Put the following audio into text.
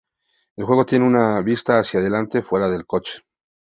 El juego tiene una vista hacia adelante, fuera del coche.